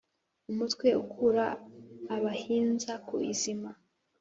umutwe ukura abahinza ku izima.